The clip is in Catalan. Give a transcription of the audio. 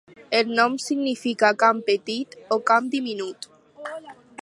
El nom significa "camp petit" o "camp diminut".